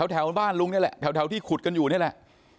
แถวบ้านลุงนี่แหละแถวที่ขุดกันอยู่นี่แหละ